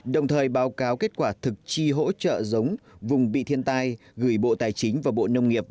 đồng thời báo cáo kết quả thực chi hỗ trợ giống vùng bị thiên tai gửi bộ tài chính và bộ nông nghiệp